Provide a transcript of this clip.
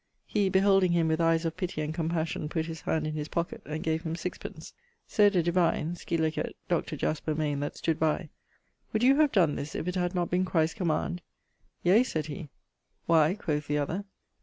He, beholding him with eies of pitty and compassion, putt his hand in his pocket, and gave him 6_d._ Sayd a divine (scil. Dr. Jaspar Mayne) that stood by 'Would you have donne this, if it had not been Christ's command?' 'Yea,' sayd he. 'Why?' quoth the other.